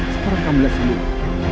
sekarang kamu lihat sendiri